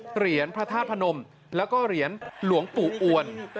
เหรียญพระธาตุพนมแล้วก็เหรียญหลวงปู่อวน